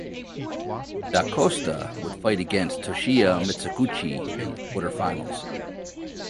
Da Costa would fight against Toshio Mizuguchi in the quarterfinals.